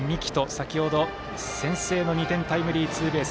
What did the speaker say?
先ほど先制のタイムリーツーベース。